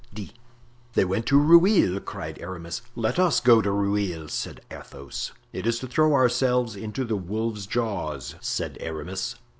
D.." "They went to Rueil," cried Aramis. "Let us go to Rueil," said Athos. "It is to throw ourselves into the wolf's jaws," said Aramis.